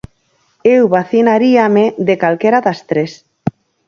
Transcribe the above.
Eu vacinaríame de calquera das tres.